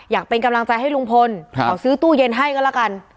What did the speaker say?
อยากเป็นกำลังใจให้ลุงพลขอซื้อตู้เย็นให้ก็แล้วกัน